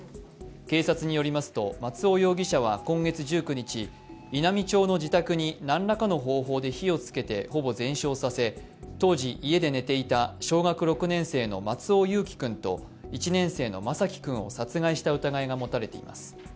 警察によりますと松尾容疑者は今月１９日、稲美町の自宅に何らかの方法で火を付けてほぼ全焼させ、当時家で寝ていた小学６年生の松尾侑城君と１年生の眞輝君を殺害した疑いが持たれています。